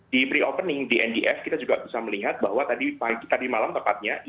di pre opening di ndf kita juga bisa melihat bahwa tadi malam tepatnya